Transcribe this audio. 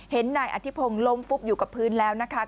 นายอธิพงศ์ล้มฟุบอยู่กับพื้นแล้วนะคะ